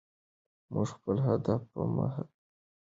موږ خپل اهداف په مرحله کې ټاکو.